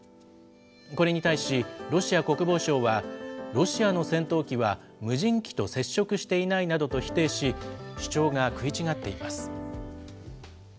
これに対し、ロシア国防省は、ロシアの戦闘機は、無人機と接触していないなどと否定し、主張が食い違っています。